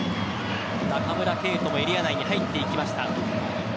中村敬斗もエリア内に入っていきました。